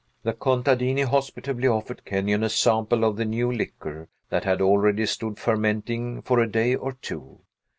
The contadini hospitably offered Kenyon a sample of the new liquor, that had already stood fermenting for a day or two.